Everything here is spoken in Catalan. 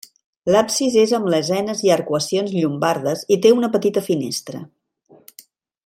L’absis és amb lesenes i arcuacions llombardes i té una petita finestra.